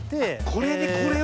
これにこれを。